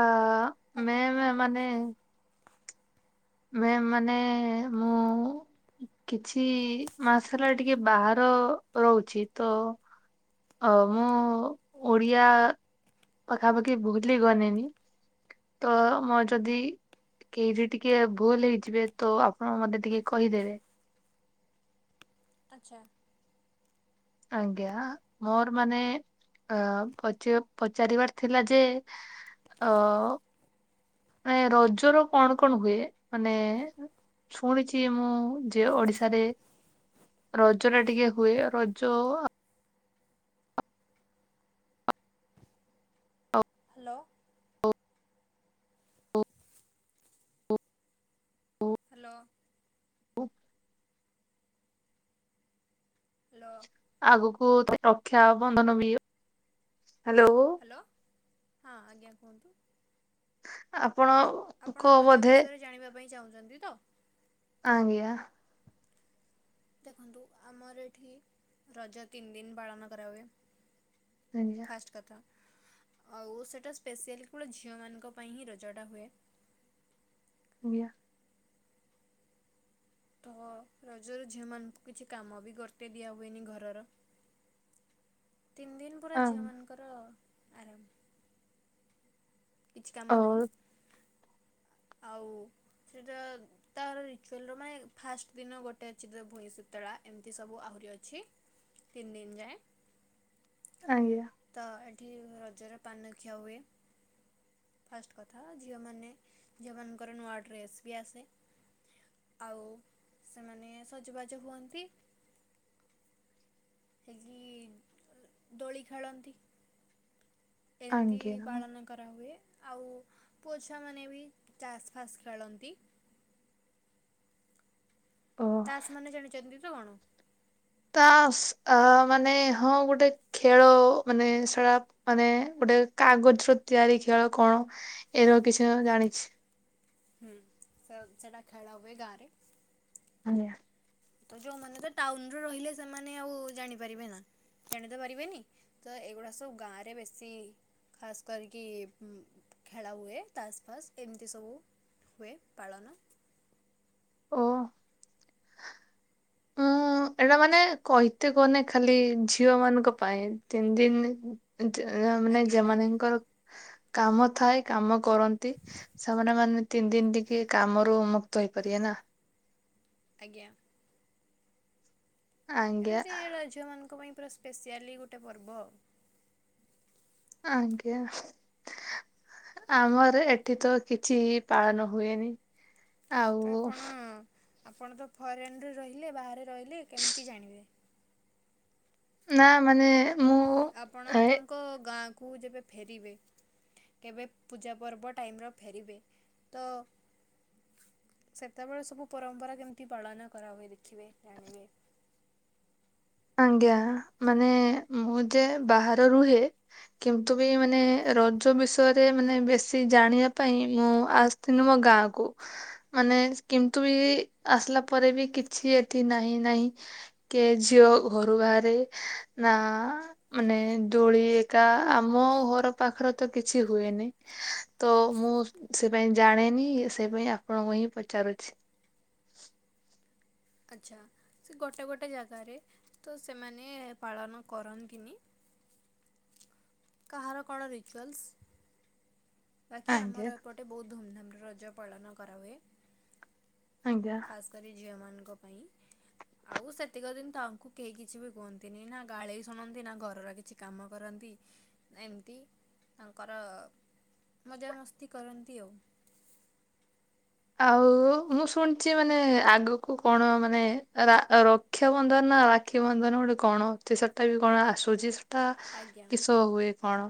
ଆ ଆଜ୍ଞା ମେମ୍ କୁହନ୍ତୁ ମାନେ ମେମ୍ ମାନେ ମୁଁ କିଛି ମାସ ହେଲା ଟିକେ ବାହାର ରହୁଛି ତ ମୁଁ ଓଡ଼ିଆ ପାଖାପାଖି ଭୁଲିଗଲିଣି ତ ମୋର ଯଦି କେହିଠି ଟିକେ ଭୁଲ ହେଇଯିବେ ତୋ ଆପଣ ମତେ ଟିକେ କହିଦେବେ। ଆଚ୍ଛା। ଆଜ୍ଞା। ମୋର ମାନେ ଅ ପଚ ପଚାରିବାର ଥିଲା ଯେ ଅ ମାନେ ରଜର କଣ କଣ ହୁଏ? ମାନେ ଶୁଣିଛି ମୁଁ ଯେ ଓଡ଼ିଶାରେ ରଜ ଟା ଟିକେ ହୁଏ। ରଜ ହାଲୋ ଓ ଓ ଓ ଓ ହାଲୋ ହୁପ [inaudible] ହାଲୋ ଆଗକୁ ରକ୍ଷା ବନ୍ଧନ ବି ହାଲୋ ହାଲୋ। ହଁ ଆଜ୍ଞା କୁହନ୍ତୁ। ଆପଣ ଆପଣ ରଜ ବିଷୟରେ ଜାଣିବା ପାଇଁ ଚାହୁଁଛନ୍ତି ତ? ଆଜ୍ଞା। ଦେଖନ୍ତୁ। ଆମର ଏଠି ରଜ ତିନି ଦିନ ପାଳନ କରାହୁଏ। ଆଜ୍ଞା। ଫାଷ୍ଟ କଥା ଆଉ ସେଇଟା ସ୍ପେଶିଆଲି କେବଳ ଝିଅମାନଙ୍କ ପାଇଁ ହିଁ ରଜଟା ହୁଏ। ଆଜ୍ଞା। ତ ରଜରୁ ଝିଅମାନଙ୍କୁ କିଛି କାମ ବି ଗର୍ତେଇ ଦିଆ ହୁଏନି ଘରର। ତିନି ଦିନ ପୁରା ଅ ଝିଅମାନଙ୍କର ଆରାମ। କିଛି କାମ ନାହିଁ ଆଉ ସେଟା ତାର ରିଚୁଆଲର ମାନେ ଫାଷ୍ଟ ଦିନ ଗୋଟେ ଅଛି ଯେ ଭୁଇଁସୂତଳା ଏମିତି ସବୁ ଆହୁରି ଅଛି। ତିନ ଦିନ ଯାଏ। ଆଜ୍ଞା। ତ ଏଠି ରଜରେ ପାନ ଖିଆ ହୁଏ। ଫାଷ୍ଟ କଥା ଝିଅମାନେ ଝିଅମାନଙ୍କର ନୂଆ ଡ୍ରେସ୍ ବି ଆସେ। ଆଉ ସେମାନେ ସଜବାଜ ହୁଅନ୍ତି। ସେକି ଦୋଳି ଖେଳନ୍ତି। ଏମିତି ଆଜ୍ଞା ପାଳନ କରାହୁଏ, ଆଉ ପୁଅ ଛୁଆମାନେ ବି ଚାସ୍ ଫାସ୍ ଖେଳନ୍ତି। ଓ ତାସ ମାନେ ଜାଣିଛନ୍ତି ତ କଣ? ତାସ୍ ଅ ମାନେ ହଁ ଗୋଟେ ଖେଳ ମାନେ ସେଟା। ମାନେ ଗୋଟେ କାଗଜ ର ତିଆରି ଖେଳ କଣ ଏ ର କିଛି ଜାଣିଛି। ହୁଁ ସେ ସେଇଟା ଖେଳ ହୁଏ ଗାଁରେ। ଆଜ୍ଞା। ତ ଯୋଉମାନେ ତ ଟାଉନ ରେ ରହିଲେ ସେମାନେ ଆଉ ଜାଣିପାରିବେ ନା। ଜାଣି ତ ପାରିବେନି ତ ଏଇଗୁଡା ସବୁ ଗାଁ ରେ ବେଶୀ ଖାସ୍ କରିକି ଖେଳା ହୁଏ ତାସ ପାସ୍ ଏମିତି ସବୁ। ହୁଏ ପାଳନ। ଓ ହଁ ଏଇଟା ମାନେ କହିତେ କହନେ ଖାଲି ଝିଅ ମାନଙ୍କ ପାଇଁ ତିନି ଦିନ ମାନେ ଆଜ୍ଞା ଆଜ୍ଞା ଯେମାନଙ୍କର କାମ ଥାଏ କାମ କରନ୍ତି ସେମାନେ ମାନେ ତିନି ଦିନ ଟିକେ କାମରୁ ମୁକ୍ତ ହେଇପାରିବେ ନା। ଆଜ୍ଞା। ଆଜ୍ଞା ଏମିତି ଝିଅମାନଙ୍କ ପାଇଁ ପୁରା ସ୍ପେସିଆଲି ଗୋଟେ ପର୍ବ। ଆଜ୍ଞା ଆମର ଏଠି ତ କିଛି ପାଳନ ହୁଏନି। ତ ଆଉ ଆପଣ ଆପଣ ତ ଫରେନ୍ ରେ ରହିଲେ ବାହାରେ ରହିଲେ କେମିତି ଜାଣିବେ। ନା ମାନେ ମୁଁ ଆପଣ ଏ ଆପଣଙ୍କ ଗାଁ କୁ ଯେବେ ଫେରିବେ କେବେ ପୂଜା ପର୍ବ ଟାଇମ୍ ର ଫେରିବେ ତ ସେତେବେଳେ ସବୁ ପରମ୍ପରା କେମିତି ପାଳନ କରାହୁଏ ଦେଖିବେ ଜାଣିବେ। ଆଜ୍ଞା ମାନେ ମୁଁ ଯେ ବାହାର ରୁହେ କିନ୍ତୁ ବି ମାନେ ରଜ ବିଷୟରେ ମାନେ ବେଶୀ ଜାଣିବା ପାଇଁ ମୁଁ ଆସ କିନ୍ତୁ ମୋ ଗାଁକୁ ମାନେ କିନ୍ତୁ ବି ଆସିଲା ପରେ ବି କିଛି ଏଠି ନାହିଁ ନାହିଁ। କିଏ ଝିଅ ଘରୁ ବାହାରେ ନା ମାନେ ଦୋଳି ଏକା ଆମ ଘର ପାଖରେ ତ କିଛି ହୁଏନି। ତ ମୁଁ ସେ ପାଇଁ ଜାଣେନି ସେ ପାଇଁ ଆପଣଙ୍କୁ ହିଁ ପଚାରୁଛି। ଆଚ୍ଛା ସେ ଗୋଟେ ଗୋଟେ ଜାଗାରେ ତ ସେମାନେ ପାଳନ କରନ୍ତିନି। କାହାର କଣ ରିଚୁଆଲ୍ସ? ବାକି ଆମର ଆଜ୍ଞା ଏପଟେ ବହୁତ ଧୁମଧାମରେ ରଜ ପାଳନ କରାହୁଏ ଆଜ୍ଞା। ଖାସ୍ କରି ଝିଅମାନଙ୍କ ପାଇଁ। ଆଉ ସେତିକ ଦିନ ତାଙ୍କୁ କେହି କିଛି ବି କୁହନ୍ତିନି, ନା ଗାଳି ଶୁଣନ୍ତି ନା ଘରର କିଛି କାମ କରନ୍ତି। ଏମ୍ତି ତାଙ୍କର ମଜାମସ୍ତି କରନ୍ତି ଆଉ। ଆଉ ମୁଁ ଶୁଣିଛି ମାନେ ଆଗକୁ କଣ, ମାନେ ରା ର ରକ୍ଷା ବନ୍ଧନ, ରାକ୍ଷୀ ବନ୍ଧନ ଗୋଟେ କଣ ଅଛି, ସେଇଟା ବି କଣ ଆସୁଛି? ତ ଆଜ୍ଞା କିସ ହୁଏ କଣ?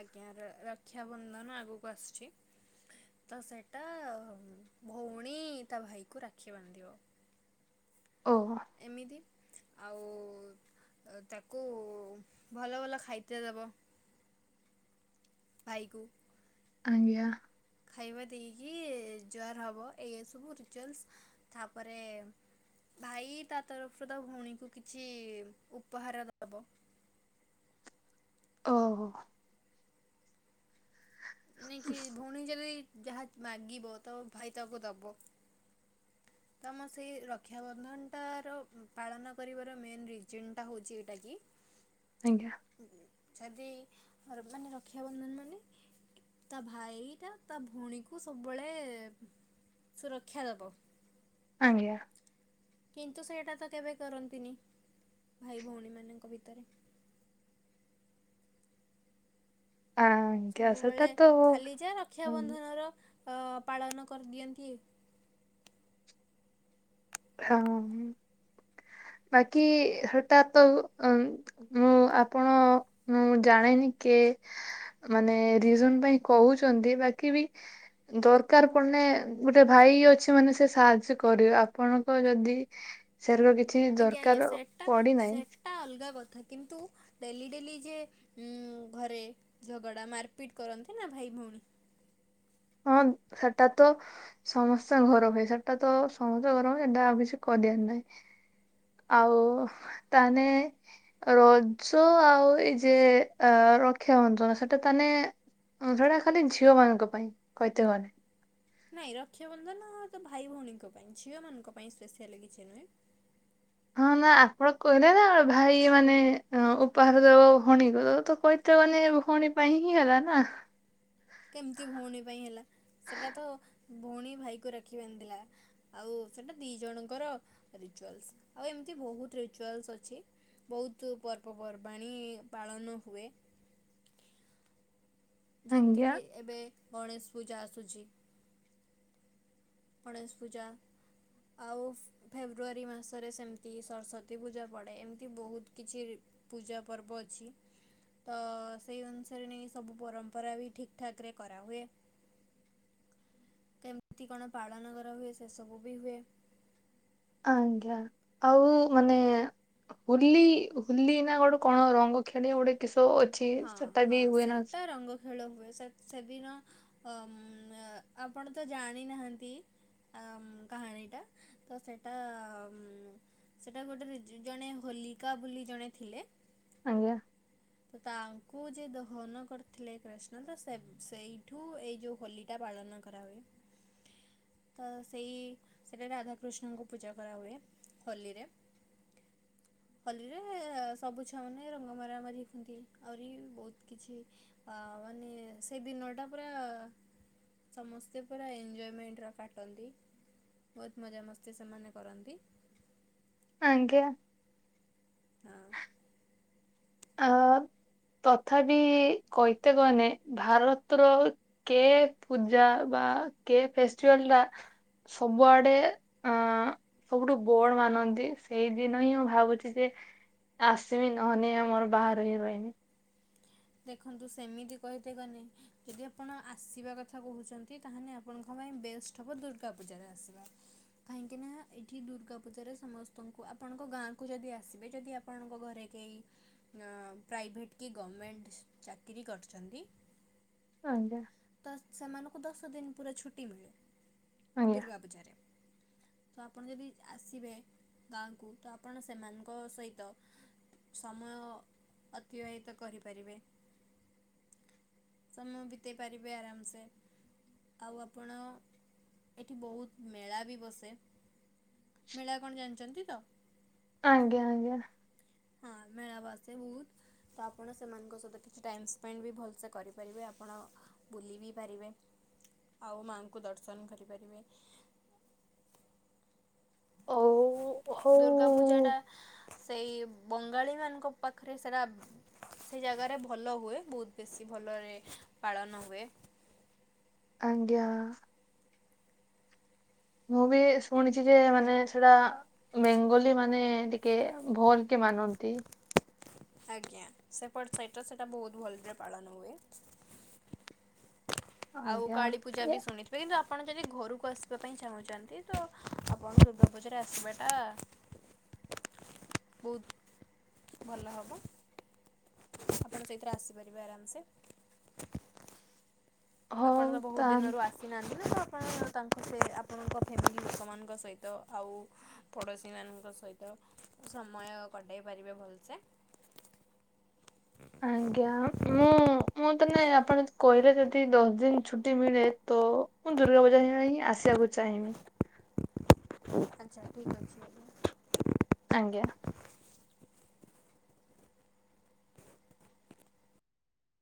ଆଜ୍ଞା। ରକ୍ଷାବନ୍ଧନ ଆଗକୁ ଆସୁଛି। ତ ସେଇଟା ଭଉଣୀ ତା ଭାଇକୁ ରାକ୍ଷୀ ବାନ୍ଧିବ। ଓଃ। ଏମିତି ଆଉ ତାକୁ ଭଲ ଭଲ ଖାଇତେ ଦବ ଭାଇକୁ। ଆଜ୍ଞା। ଖାଇବା ଦେଇକି ଜୁହାର ହେବ, ଏସବୁ ରିଚୁଆଲ୍ସ୍ ତା ପରେ ଭାଇ ତା ତରଫରୁ ତା ଭଉଣୀକୁ କିଛି ଉପହାର ଦବ। ଓହୋ। ନେଇ କିି ଭଉଣୀ ଯଦି ଯାହା ମାଗିବ ତ ଭାଇ ତାକୁ ଦବ। ତମ ସେଇ ରକ୍ଷା ବନ୍ଧନଟାର ପାଳନ କରିବାର ମେନ୍ ରିଜିନଟା ହଉଛି, ଏଇଟା କିି [unintelligible] ଆଜ୍ଞା। ଯଦି ର ମାନେ ରକ୍ଷାବନ୍ଧନ ମାନେ ତା ଭାଇଟା ତା ଭଉଣୀକୁ ସବୁବେଳେ ସୁରକ୍ଷା ଦବ। ଆଜ୍ଞା। କିନ୍ତୁ ସେଇଟା ତ କେବେ କରନ୍ତିନି ଭାଇ ଭଉଣୀ ମାନଙ୍କ ଭିତରେ। ଆ ସବୁବେଳେ ଖାଲି ଯା ହଁ ରକ୍ଷାବନ୍ଧନର ପାଳନ କରିଦିଅନ୍ତି। ହଁ, ବାକି ହେଟା ତ ଅ ମୁଁ ଆପଣ ମୁଁ ଜାଣିନି କେ ମାନେ ରିଜିନ୍ ପାଇଁ କହୁଛନ୍ତି ବାକି ବି ଦରକାର ପଡିଲେ, ଗୋଟେ ଭାଇ ଅଛି ମାନେ ସେ ସାହାଯ୍ୟ କରିବ। ଆପଣଙ୍କ ଯଦି ସେରେ କିଛି ଆଜ୍ଞା ଆଜ୍ଞା ଦରକାର ସେଟା ପଡିନାହିଁ ସେଟା ଅଲଗା କଥା କିନ୍ତୁ ଡେଲି ଡେଲି ଯିଏ ଘରେ ଝଗଡା ମାରପିଟ୍ କରନ୍ତି ନା ଭାଇ ଭଉଣୀ। ହଁ, ସେଟା ତ ସମସ୍ୟା ଘର ପାଇଁ ସେଟା ତ ସମସ୍ତିଙ୍କ ଘରେ ହୁଏ। ଏବେଆଉ କିଛି କରିବାର ନାଇଁ। ଆଉ ତା ମାନେ ରଜ ଆଉ ଏଇ ଯେ ଅ ରକ୍ଷାବନ୍ଧନ, ସେଟା ତାନେ ଯୋଗୁରା ଖାଲି ଝିଅ ମାନଙ୍କ ପାଇଁ, କହିତେ ମାନେ ନାଇଁ, ରକ୍ଷାବନ୍ଧନ ତ ଭାଇ ଭଉଣୀଙ୍କ ପାଇଁ, ଝିଅମାନଙ୍କ ପାଇଁ ସ୍ପେଶାଆଲ୍ କିଛି ନୁହେଁ। ହଁ ବା, ଆପଣ କହିଲେ ନା ଭାଇ ମାନେ ଉପହାର ଦବ ଭଉଣୀକୁ ତ କ କଇତେ ମାନେ ଭଉଣୀ ପାଇଁ ହିଁ ହେଲା ନା। କେମତି ଭଉଣୀ ପାଇଁ ହେଲା। ସେଟା ତ ଭଉଣୀ ଭାଇକୁ ରାଖି ବାନ୍ଧିଲା। ଆଉ ସେଟା ଦିଇ ଜଣଙ୍କର ରିଚୁଆଲ୍ସ୍। ଆଉ ଏମିତି ବହୁତ ରିଚୁଆଲ୍ସ୍ ଅଛି। ବହୁତୁ ପର୍ବପର୍ବାଣି ପାଳନ ହୁଏ। ଯେମିତି ଆଜ୍ଞା କି ଏବେ ଗଣେଶ ପୂଜା ଆସୁଚି। ଗଣେଶ ପୂଜା ଆଉ ଫେବୃଆରୀ ମାସରେ ସେମତି ସରସ୍ଵତୀ ପୂଜା ପଡ଼େ ଏମତି ବୋହୁତ କିଛି ପୂଜା ପର୍ବ ଅଛି। ତ ସେଇ ଅନୁସାରେ ନେଇ ସବୁ ପରମ୍ପରା ବି ଠିକ୍ ଠାକରେ କରାହୁଏ। କେମତି କଣ ପାଳନ କରା ହୁଏ ସେ ସବୁ ବି ହୁଏ। ଆଜ୍ଞା ଆଉ ମାନେ ହୋଲି ହୋଲି ନାଁ ଗୋଟେ କଣ ରଙ୍ଗ ଖେଳିଆ ଗୋଟେ କିସ ଅ ହଁ ହଁ ସେଟା ରଙ୍ଗ ଖେଳ ହୁଏ ସେ ସେଦିନ ଅମ୍ ଅଁ ଆପଣ ତ ଜାଣିନାହାନ୍ତି। ଆମ୍ କାହାଣୀଟା ତ ସେଟାମ୍ ସେଟା ଗୋଟେ ରିଜି ଜଣେ ହୋଲିକା ବୋଲି ଜଣେ ଥିଲେ। ଆଜ୍ଞା। ତ ତାଙ୍କୁ ଯେ ଦହନ କରିଥିଲେ କ୍ରୀଷ୍ଣ ତ ସେ ସେଇଠୁ ଏଇ ଯୋଉ ହୋଲି ଟା ପାଳନ କରାହୁଏ। ତ ସେଇ ସେଟା ରାଧାକୃଷ୍ଣଙ୍କୁ ପୂଜା କରାହୁଏ ହୋଲିରେ। ହୋଲିରେ ସବୁ ଛୁଆମାନେ ରଙ୍ଗ ମରାମାରି ହୁଅନ୍ତି ଆହୁରି ବହୁତ କିଛି ଆ ମାନେ ସେ ଦିନଟା ପୁରା ସମସ୍ତେ ପୁରା ଏଞ୍ଜଏମେଣ୍ଟର କାଟନ୍ତି। ବୋହୁତ ମଜାମସ୍ତି ସେମାନେ କରନ୍ତି। ଆଜ୍ଞା। ହଁ। ଆ ତଥାପି କହିତେ ଗନେ ଭାରତର କେ ପୂଜା ବା କେ ଫେଷ୍ଟିଭାଲଟା ସବୁଆଡ଼େ ଆଁ ସବୁଠୁ ବୋଡ ମାନନ୍ତି ସେଇଦିନ ହିଁ ମୁଁ ଭାବୁଚି ଯେ ଆସିବି ନହେନେ ଆମର ବାହାରେ ହି ରହିମି। ଦେଖନ୍ତୁ ସେମିତି କହିତେ ଗନେ ଯଦି ଆପଣ ଆସିବା କଥା କୋହୁଚନ୍ତି ତାହେନେ ଆପଣଙ୍କ ପାଇଁ ବେଷ୍ଟ ହବ ଦୁର୍ଗା ପୂଜାରେ ଆସିବା। କାହିଁକି ନା ଏଠି ଦୁର୍ଗା ପୂଜାରେ ସମସ୍ତଙ୍କୁ ଆପଣଙ୍କ ଗାଁଙ୍କୁ ଯଦି ଆସିବେ ଯଦି ଆ ପଣଙ୍କ ଘରେ କେହି ଅଁ ପ୍ରାଇଭେଟ୍ କି ଗମେଣ୍ଟ ଚାକିରି କରଛନ୍ତି ଆଜ୍ଞା ତ ସେମାନୁଙ୍କୁ ଦଶ ଦିନ ପୁରା ଛୁ ଟି ମିଳେ ଆଜ୍ଞା ଦୁର୍ଗାପୂଜାରେ। ତ ଆପଣ ଯଦି ଆସିବେ ଗାଁକୁ ତ ଆପଣ ସେମାନଙ୍କ ସହିତ ସମୟ ଅତିବାହିତ କରିପାରିବେ। ସମୟ ବିତେଇ ପାରିବେ ଆରାମସେ। ଆଉ ଆପଣ ଏଠି ବହୁତ ମେଳା ବି ବସେ। ମେଳା କଣ ଜାଣିଚନ୍ତି ତ? ଆଜ୍ଞା ଆଜ୍ଞା। ହଁ ମେଳା ବସେ ବୋହୁତ। ତ ଆପଣ ସେମାନଙ୍କ ସହିତ କିଛି ଟାଇମ୍ ସ୍ପେଣ୍ଡ ବି ଭଲସେ କରିପାରିବେ ଆପଣ ବୁଲି ବି ପାରିବେ ଆଉ ମାଆଙ୍କୁ ଦର୍ଶନ କରିପାରିବେ। ହଉ ଦୁର୍ଗା ପୂଜାଟା ହଉ ସେଇ ବଙ୍ଗାଳୀମାନଙ୍କ ପାଖରେ ସେରା ସେ ଜାଗାରେ ଭଲ ହୁଏ ବୋହୁତ ବେଶୀ ଭଲରେ ପାଳନ ହୁଏ। ଆଜ୍ଞା। ମୁଁ ବି ଶୁଣିଛି ଯେ ମାନେ ସେଟା ବେଙ୍ଗୋଲି ମାନେ ଟିକେ ଭୋଲ କେ ମାନନ୍ତି। ଆଜ୍ଞା ସେପଟ ସାଇଟରେ ସେଟା ବହୁତ ଭଲରେ ପାଳନ ହୁଏ। ଆଉ ଆଜ୍ଞା କାଳୀ ପୂଜା ୟା ବି ଶୁଣିି ଏବେ କିନ୍ତୁ ଆପଣ ଯଦି ଘରକୁ ଆସିବା ପାଇଁ ଚାହୁଁଚନ୍ତି ତ ଆପଣ ଦୁର୍ଗାପୂଜାରେ ଆସିବାଟା ବହୁତ ଭଲ ହବ। ଆପଣ ସେଇଥିରେ ଆସିପାରିବେ ଆରାମ୍ ସେ। ଆପଣ ହଉ ତ ବହୁତ ତା ଦିନରୁ ଆସ ସିନାହାନ୍ତି ନା? ତ ଆପଣ ତାଙ୍କ ସେ ଆପଣଙ୍କ ଫ୍ୟାମିଲି ଲୋକମାନଙ୍କ ସହିତ ଆଉ ପଡ଼ୋଶୀ ମାନଙ୍କ ସହିତ ସମୟ କଟାଇ ପାରିବେ ଭଲସେ। ଆଜ୍ଞା, ମୁଁ ମୁଁ ମୁଁ ତାହେନେ ଆପଣ ଯଦି କହିଲେ ଯଦି ଦଶ ଦିନ ଛୁଟି ମିଳେ ତ ମୁଁ ଦୁର୍ଗାପୂଜା କୁ ହିଁ ଆସିବାକୁ [unintelligible] ଚାହିଁବି। ଆଚ୍ଛା ଠିକ୍ ଅଛି, ଆଜ୍ଞା। ଆଜ୍ଞା।